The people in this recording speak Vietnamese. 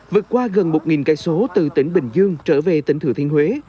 vượt qua gần một km từ tỉnh bình dương trở về tỉnh thừa thiên huế